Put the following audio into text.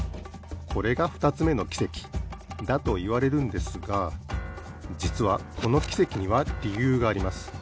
これがふたつめのきせきだといわれるんですがじつはこのきせきにはりゆうがあります。